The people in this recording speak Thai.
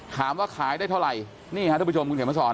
ขายได้เท่าไหร่นี่ฮะทุกผู้ชมคุณเขียนมาสอน